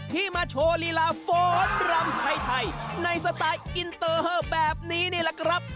ที่มาโชว์ลีลาฟ้อนรำไทยในสไตล์อินเตอร์แบบนี้นี่แหละครับ